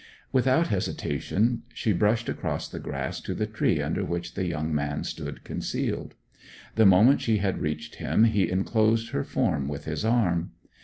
Without hesitation she brushed across the grass to the tree under which the young man stood concealed. The moment she had reached him he enclosed her form with his arm.